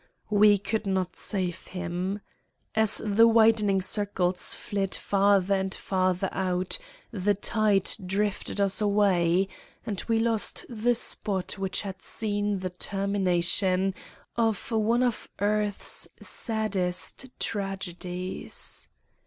We could not save him. As the widening circles fled farther and farther out, the tide drifted us away, and we lost the spot which had seen the termination of one of earth's saddest tragedies.